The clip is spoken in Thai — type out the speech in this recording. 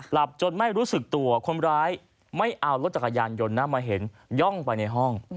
จนไม่รู้สึกตัวคนร้ายไม่เอารถจักรยานยนต์นะมาเห็นย่องไปในห้อง